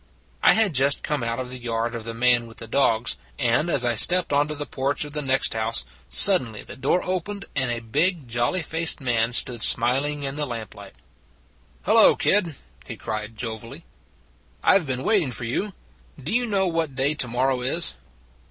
I had just come out of the yard of the man with the dogs, and as I stepped onto the porch of the next house, suddenly the door opened, and a big jolly faced man stood smiling in the lamplight. " Hello, kid," he cried jovially. " I Ve been waiting for you. Do you know what day to morrow is?